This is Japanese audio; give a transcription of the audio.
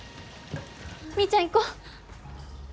みーちゃん行こ。